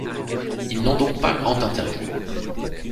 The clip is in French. Ils n'ont donc pas grand intérêt.